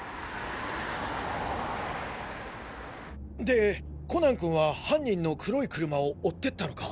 でコナン君は犯人の黒い車を追ってったのか。